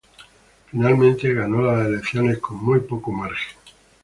Finalmente ganó las elecciones con muy poco margen.